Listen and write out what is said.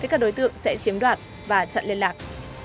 các đối tượng sẽ chiếm đoạt và chặn liên lạc